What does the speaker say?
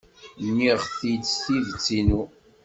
Nniɣ-t-id s tidet-inu.